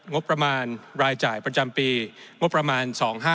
งบประมาณรายจ่ายประจำปีงบประมาณ๒๕๕๙